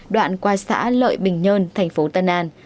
đoạn qua xã lợi bình nhân tp tân an